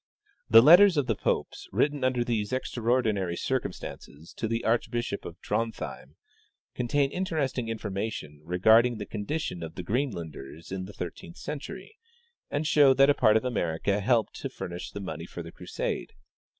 " The letters of the popes, written under these extraordinary cir cumstances to the archbishop of Drontheim, contain interesting information regarding the condition of the Greenlanders in the The Condition of the Greenlaitders. 201 thirteenth century, and show that a part of America helped to furnish money for the crusade.